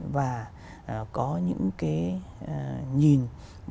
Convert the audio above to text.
và có những cái nhìn